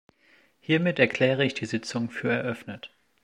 Hiermit erkläre ich die Sitzung für eröffnet.